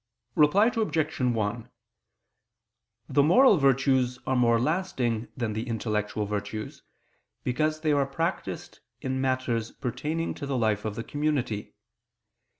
Reply Obj. 1: The moral virtues are more lasting than the intellectual virtues, because they are practised in matters pertaining to the life of the community.